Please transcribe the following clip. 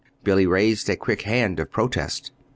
Billy raised a quick hand of protest.